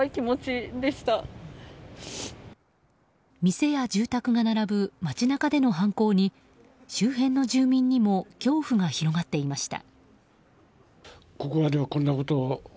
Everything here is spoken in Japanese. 店や住宅が並ぶ街中での犯行に周辺の住民にも恐怖が広がっていました。